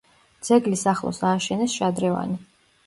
ძეგლის ახლოს ააშენეს შადრევანი.